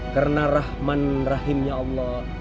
karena rahman rahimnya allah